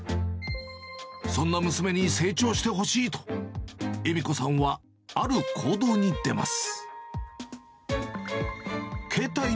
そんな娘に成長してほしいと、ゆみ子さんはある行動に出ます。